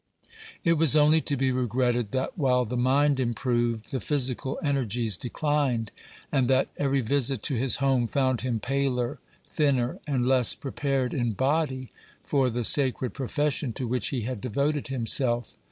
It was only to be regretted that, while the mind improved, the physical energies declined, and that every visit to his home found him paler, thinner, and less prepared in body for the sacred profession to which he had devoted himself.